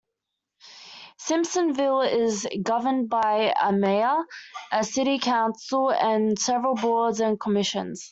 Simpsonville is governed by a mayor, a city council, and several boards and commissions.